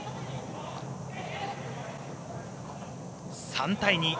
３対２。